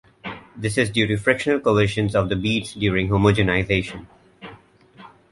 This is due to frictional collisions of the beads during homogenization.